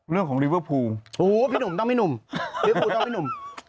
เรื่องของลิเวอร์พูลพี่หนุ่มต้องพี่หนุ่มลิเวฟูต้องพี่หนุ่ม